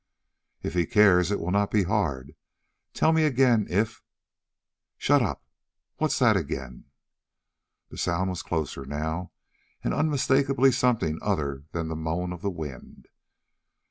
"If he cares it will not be hard. Tell me again, if " "Shut up. What's that again?" The sound was closer now and unmistakably something other than the moan of the wind.